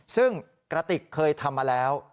ซึ่งกระติกเคยทำมาแล้ว